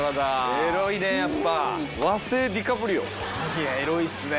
いやエロいっすね。